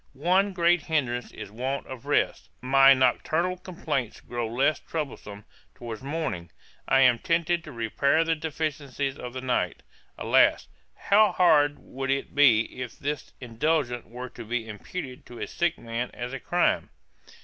'One great hindrance is want of rest; my nocturnal complaints grow less troublesome towards morning; and I am tempted to repair the deficiencies of the night.' Alas! how hard would it be if this indulgence were to be imputed to a sick man as a crime.